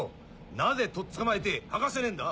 なぜとっつかまえて吐かせねえんだ？